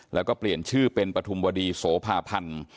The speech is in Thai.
แล้วก็เปลี่ยนชื่อเป็นปฐุมวดีโสภาพันธ์